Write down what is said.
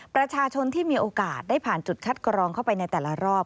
ประชาชนที่มีโอกาสได้ผ่านจุดคัดกรองเข้าไปในแต่ละรอบ